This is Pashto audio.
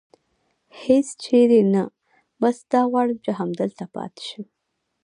هېڅ چېرې نه، بس دا غواړم چې همدلته پاتې شم.